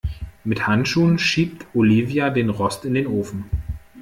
Mit Handschuhen schiebt Olivia den Rost in den Ofen.